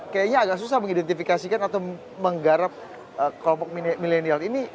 kayaknya agak susah mengidentifikasikan atau menggarap kelompok milenial ini